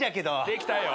できたよ。